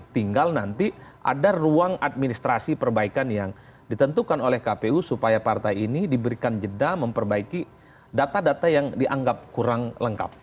tinggal nanti ada ruang administrasi perbaikan yang ditentukan oleh kpu supaya partai ini diberikan jeda memperbaiki data data yang dianggap kurang lengkap